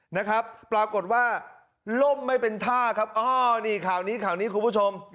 นะครับปรากฏว่าล่มไม่เป็นท่าครับอ๋อนี่ข่าวนี้ข่าวนี้คุณผู้ชม